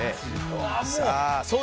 「うわもう」